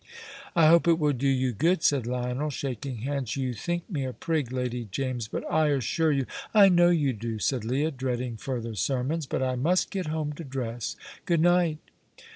"I hope it will do you good," said Lionel, shaking hands. "You think me a prig, Lady James, but I assure you " "I know you do," said Leah, dreading further sermons; "but I must get home to dress. Goodnight."